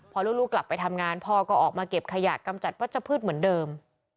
พอลูกกลับไปทำงานพ่อก็ออกมาเก็บขยะกำจัดวัชพืชเหมือนเดิม